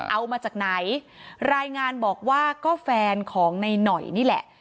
เอามาจากไหนรายงานบอกว่าก็แฟนของในหน่อยนี่แหละ